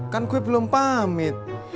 kan gue belum pamit